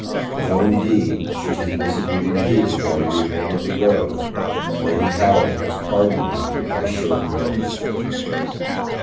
Though, indeed, should his visit be repeated while you remain at the Grove, Lady Howard must pardon me if I shorten yours.